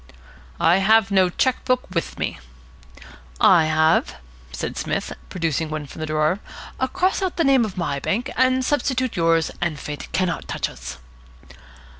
"I have no cheque book with me." "I have," said Psmith, producing one from a drawer. "Cross out the name of my bank, substitute yours, and fate cannot touch us."